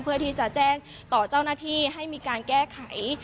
เพื่อที่จะแจ้งต่อเจ้าหน้าที่ให้มีการแก้ไข